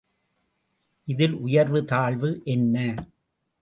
இதில் உயர்வு தாழ்வு என்ன?